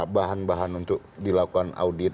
bahan bahan untuk dilakukan audit